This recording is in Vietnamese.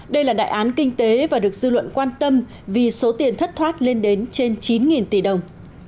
đây là đại án kinh tế và được dư luận quan tâm vì số tiền thất thoát lên đến trên chín tỷ đồng